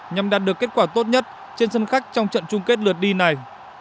nhằm đạt được kết quả tốt nhất trên sân khách trong trận chung kết lượt đi này